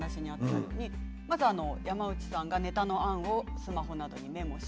まずは山内さんがネタの案をスマホにメモ